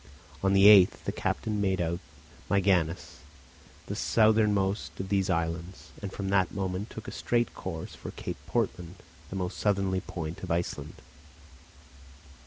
On the 8th the captain made out Myganness, the southernmost of these islands, and from that moment took a straight course for Cape Portland, the most southerly point of Iceland.